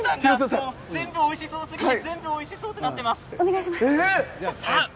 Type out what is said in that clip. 広末さん全部おいしそうすぎて全部おいしそうと言っています。